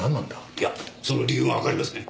いやその理由がわかりません。